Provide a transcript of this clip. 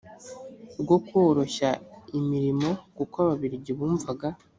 rwo koroshya imirimo kuko ababirigi bumvaga